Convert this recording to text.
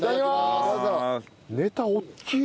ネタ大きい。